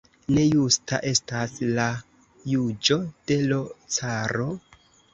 Ne justa estas la juĝo de l' caro?